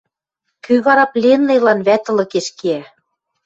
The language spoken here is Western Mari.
Кӱ вара пленныйлан вӓтӹлыкеш кеӓ?